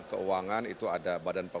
keuangan itu ada